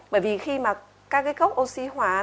bởi vì khi mà các cái gốc oxy hóa